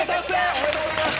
おめでとうございます。